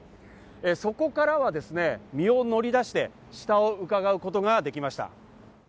そこからは身を乗り出して、下を伺うことができました。